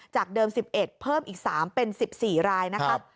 จากเดิมสิบเอ็ดเพิ่มอีกสามเป็นสิบสี่รายนะคะ